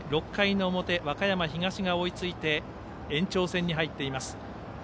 ６回の表、和歌山東が追いついて延長戦に入っています。